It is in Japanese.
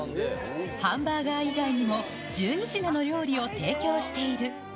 ハンバーガー以外にも１２品の料理を提供している。